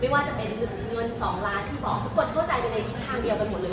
ว่าจะมีเงินสองล้านที่บอกที่เข้าใจกันในอีกทางเดียวกันหมดเลย